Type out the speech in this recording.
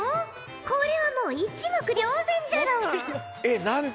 これはもう一目瞭然じゃろう。